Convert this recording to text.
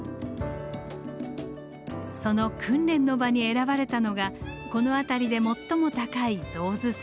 その訓練の場に選ばれたのがこの辺りで最も高い象頭山。